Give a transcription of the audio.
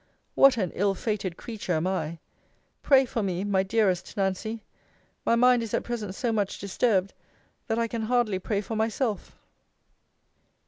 What an ill fated creature am I! Pray for me, my dearest Nancy! my mind is at present so much disturbed, that I can hardly pray for myself.